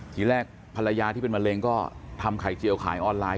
ทีแรกภรรยาที่เป็นมะเร็งก็ทำไข่เจียวขายออนไลน